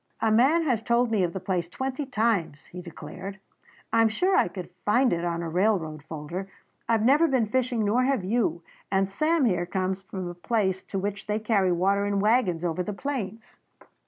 "A man has told me of the place twenty times," he declared; "I am sure I could find it on a railroad folder. I have never been fishing nor have you, and Sam here comes from a place to which they carry water in wagons over the plains."